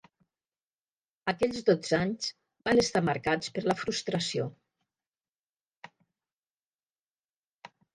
Aquells dotze anys van estar marcats per la frustració.